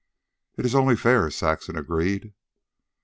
"It's only fair," Saxon agreed.